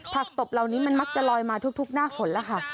ตบเหล่านี้มันมักจะลอยมาทุกหน้าฝนแล้วค่ะ